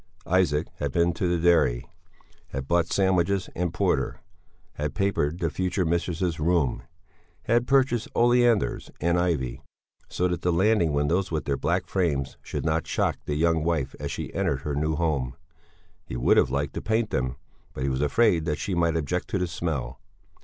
Isaac had been to the dairy; had bought sandwiches and porter; had papered the future mistress's room; had purchased oleanders and ivy, so that the landing windows with their black frames should not shock the young wife as she entered her new home; he would have liked to paint them, but he was afraid that she might object to the smell.